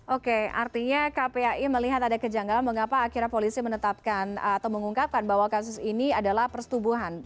oke artinya kpai melihat ada kejanggalan mengapa akhirnya polisi menetapkan atau mengungkapkan bahwa kasus ini adalah persetubuhan